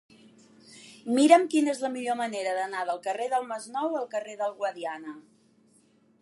Mira'm quina és la millor manera d'anar del carrer del Masnou al carrer del Guadiana.